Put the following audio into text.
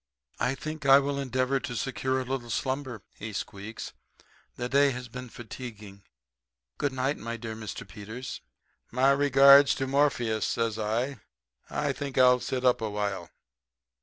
"'I think I will endeavor to secure a little slumber,' he squeaks. 'The day has been fatiguing. Good night, my dear Mr. Peters.' "'My regards to Morpheus,' says I. 'I think I'll sit up a while.'